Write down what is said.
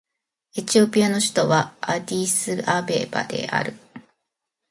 エチオピアの首都はアディスアベバである